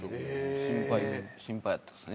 心配心配やったですね。